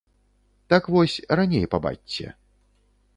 Так вось, раней пабачце.